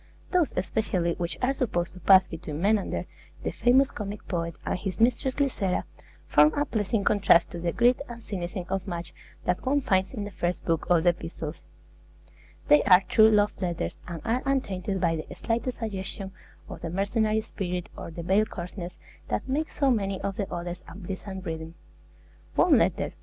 Those especially which are supposed to pass between Menander, the famous comic poet, and his mistress Glycera, form a pleasing contrast to the greed and cynicism of much that one finds in the first book of the epistles; they are true love letters, and are untainted by the slightest suggestion of the mercenary spirit or the veiled coarseness that makes so many of the others unpleasant reading. One letter (i.